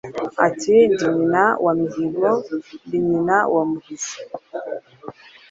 Ati: ndi nyina wa Mihigo Ndi nyina wa Muhizi,